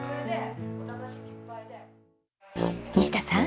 西田さん